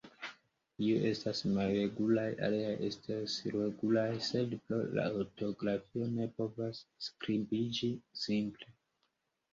Iuj estas malregulaj; aliaj estas regulaj, sed pro la ortografio, ne povas skribiĝi simple.